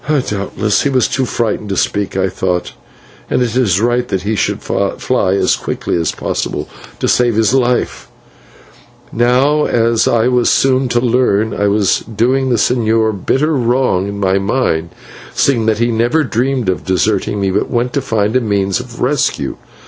"Doubtless he is too frightened to speak," I thought, "and it is right that he should fly as quickly as possible to save his life." Now, as I was soon to learn, I was doing the señor a bitter wrong in my mind, seeing that he never dreamed of deserting me, but went to find a means of rescue.